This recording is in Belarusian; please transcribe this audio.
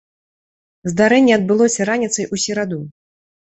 Здарэнне адбылося раніцай у сераду.